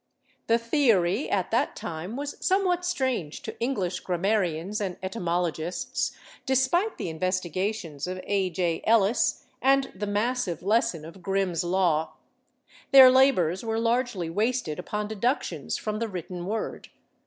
" The theory, at that time, was somewhat strange to English grammarians and etymologists, despite the investigations of A. J. Ellis and the massive lesson of Grimm's law; their labors were largely wasted upon deductions from the written word.